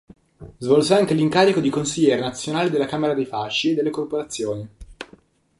Svolse anche l'incarico di consigliere nazionale della Camera dei Fasci e delle Corporazioni.